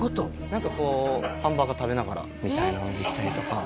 なんかこうハンバーガー食べながらみたいなのもできたりとか。